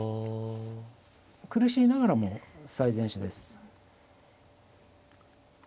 苦しいながらも最善手です。